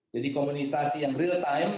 jadi komunikasi yang real time